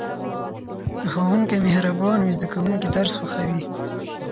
که ښوونکی مهربان وي زده کوونکي درس خوښوي.